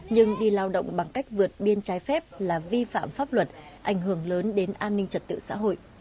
nhưng đi lao động bằng cách vượt biên trái phép là vi phạm pháp luật ảnh hưởng lớn đến an ninh trật tự xã hội